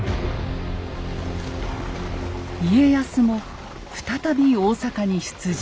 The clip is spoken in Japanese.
家康も再び大坂に出陣。